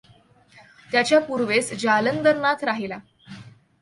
त्याच्या पूर्वेस जालंदरनाथ राहिला.